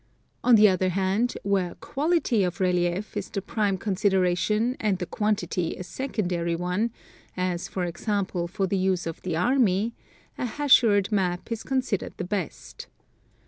On the other hand, where quality of relief is the prime consideration and the quantity a secondary one, as, for example, for the use of the army, a hachured map is considered the best.